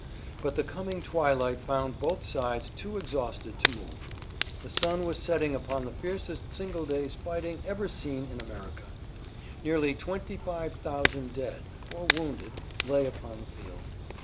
But the coming twilight found both sides too exhausted to move. The sun was setting upon the fiercest single day's fighting ever seen in America. Nearly twenty five thousand dead or wounded lay upon the field.